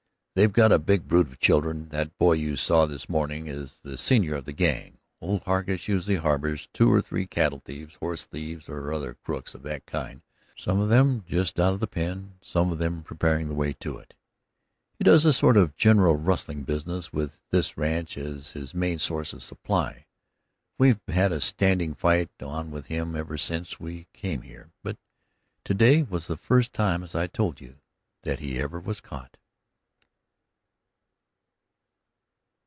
They've got a big brood of children, that boy you saw this morning is the senior of the gang. Old Hargus usually harbors two or three cattle thieves, horse thieves or other crooks of that kind, some of them just out of the pen, some preparing their way to it. He does a sort of general rustling business, with this ranch as his main source of supply. We've had a standing fight on with him ever since we came here, but today was the first time, as I told you, that he ever was caught.